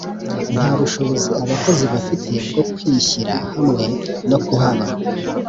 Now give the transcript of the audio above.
Nta bushobozi abakozi bafite bwo kwishyira hamwe no kuhaba